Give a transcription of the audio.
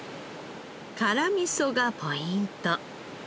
辛みそがポイント。